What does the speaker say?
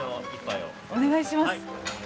お願いします。